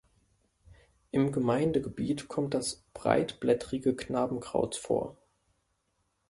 Im Gemeindegebiet kommt das Breitblättrige Knabenkraut vor.